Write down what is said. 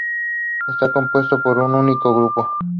Está compuesto por un único grupo.